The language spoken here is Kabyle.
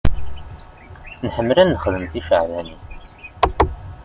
Nḥemmel ad nexdem ticeɛbanin.